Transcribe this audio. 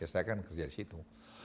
saya kan kerja di situ